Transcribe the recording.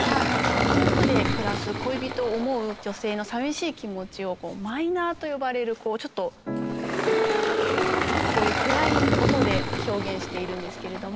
遠くで暮らす恋人を思う女性のさみしい気持ちを、マイナーと呼ばれるちょっとこういう暗い音で表現しているんですけれども。